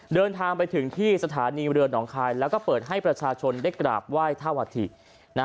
เดินทางไปถึงที่สถานีเรือหนองคายแล้วก็เปิดให้ประชาชนได้กราบไหว้ท่าวธิ